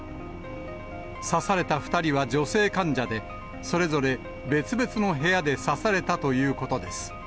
刺された２人は女性患者で、それぞれ別々の部屋で刺されたということです。